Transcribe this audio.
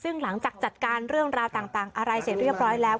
ซึ่งหลังจากจัดการเรื่องราวต่างอะไรเสร็จเรียบร้อยแล้ว